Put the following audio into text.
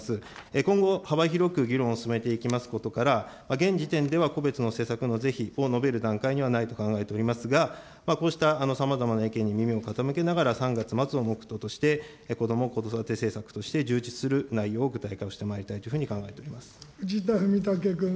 今後、幅広く議論を進めていきますことから、現時点では個別の施策の是非を述べる段階にはないと考えておりますが、こうしたさまざまな意見に耳を傾けながら、３月末を目途として、こども・子育て政策として充実する内容を具体化してまいりたいと藤田文武君。